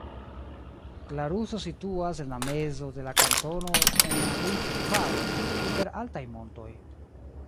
Glaruso situas en la mezo de la kantono en la Linth-Valo inter altaj montoj.